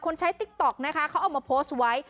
ใช้ติ๊กต๊อกนะคะเขาเอามาโพสต์ไว้